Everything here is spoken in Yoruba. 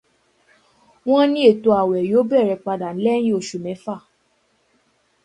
Wọ́n ní ètò àwẹ̀ yóò bẹ̀rẹ̀ padà lẹẹ́yìn oṣù mẹ̀fà.